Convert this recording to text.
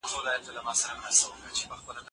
د مفرور ناول مرکزي کرکټر عمري ډاکو نومیده.